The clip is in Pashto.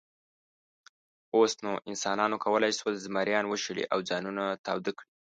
اوس نو انسانانو کولی شول، زمریان وشړي او ځانونه تاوده کړي.